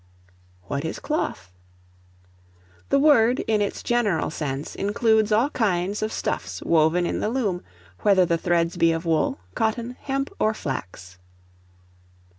What is Cloth? The word, in its general sense, includes all kinds of stuffs woven in the loom, whether the threads be of wool, cotton, hemp, or flax.